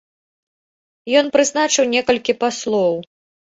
Ён прызначыў некалькіх паслоў.